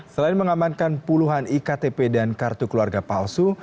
selain mengamankan puluhan iktp dan kartu keluarga palsu